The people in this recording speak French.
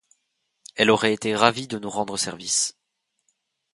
Elle aurait été ravie de nous rendre service.